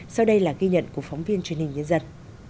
sau đây là ghi nhận của phóng viên truyền hình nhân dân